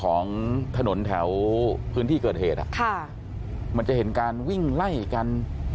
ของถนนแถวพื้นที่เกิดเหตุอ่ะค่ะมันจะเห็นการวิ่งไล่กัน